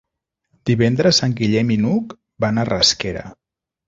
Divendres en Guillem i n'Hug van a Rasquera.